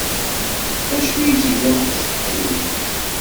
D acu ay tga i ucebbub-nnes?